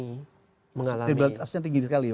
akseptabilitasnya tinggi sekali